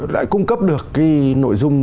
lại cung cấp được cái nội dung